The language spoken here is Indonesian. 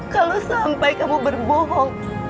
kalau sampai kamu berbohong